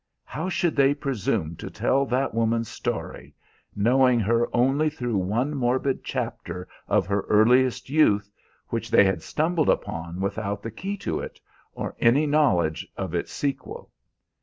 How should they presume to tell that woman's story, knowing her only through one morbid chapter of her earliest youth, which they had stumbled upon without the key to it, or any knowledge of its sequel?